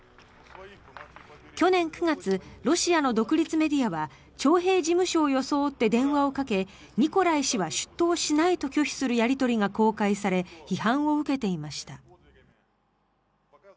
去年９月ロシアの独立メディアは徴兵事務所を装って電話をかけニコライ氏は出頭しないと拒否するやり取りが公開され批判を受けていました。